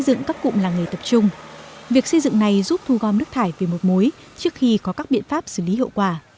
xây dựng các cụm làng nghề tập trung việc xây dựng này giúp thu gom nước thải về một mối trước khi có các biện pháp xử lý hiệu quả